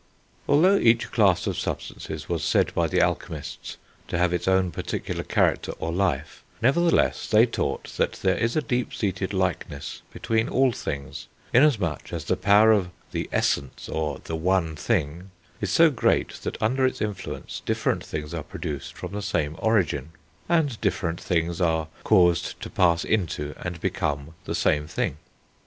Although each class of substances was said by the alchemists to have its own particular character, or life, nevertheless they taught that there is a deep seated likeness between all things, inasmuch as the power of the essence, or the one thing, is so great that under its influence different things are produced from the same origin, and different things are caused to pass into and become the same thing.